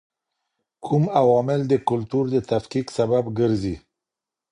کوم عوامل د کلتور د تفکیک سبب ګرځي؟